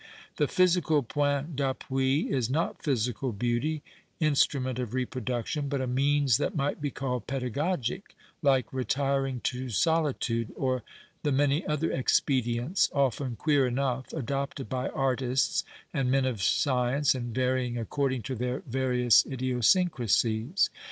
The physical j^oint d'appui is not physical beauty, instrument of reproduction, but a means that might be called j^^^dagugic, like retiring to solitude or the many other expedients, often (jueer enough, adopted l)y artists and men of science and varying according to their various 196 A POINT OF CROCK'S idiosyncrasies."'